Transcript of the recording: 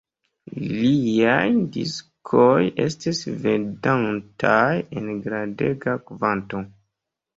Liaj diskoj estis vendataj en grandega kvanto.